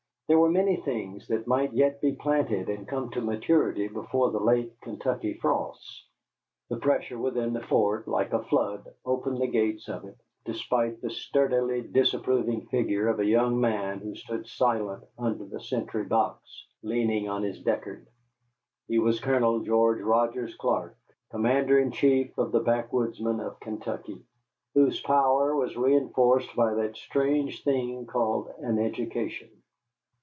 There were many things that might yet be planted and come to maturity before the late Kentucky frosts. The pressure within the fort, like a flood, opened the gates of it, despite the sturdily disapproving figure of a young man who stood silent under the sentry box, leaning on his Deckard. He was Colonel George Rogers Clark,¹ Commander in chief of the backwoodsmen of Kentucky, whose power was reënforced by that strange thing called an education.